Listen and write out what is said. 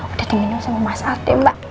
udah diminum sama mas al deh mbak